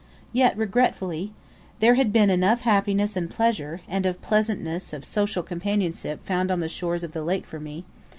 Yet regretfully! There had been enough happiness and pleasure, and pleasantest of social companionship found on the shores of the lake for me.